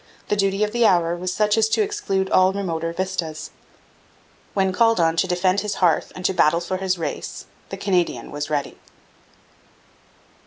The duty of the hour was such as to exclude all remoter vistas. When called on to defend his hearth and to battle for his race, the Canadian was ready.